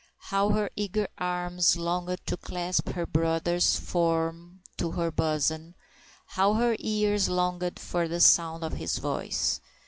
How her eager arms longed to clasp her brother's form to her bosom—how her ears longed for the sound of his voice!